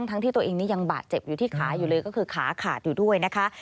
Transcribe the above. ที่ตัวเองนี้ยังบาดเจ็บอยู่ที่ขาอยู่เลยก็คือขาขาดอยู่ด้วยนะคะ